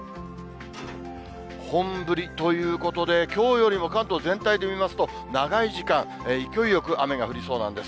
本降りということで、きょうよりも関東全体で見ますと、長い時間、勢いよく雨が降りそうなんです。